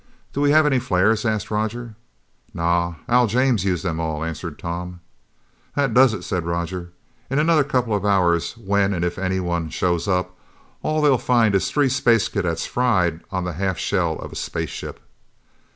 "Do we have any flares?" asked Roger. "Naw. Al James used them all," answered Tom. "That does it," said Roger. "In another couple of hours, when and if anyone shows up, all they'll find is three space cadets fried on the half shell of a spaceship!"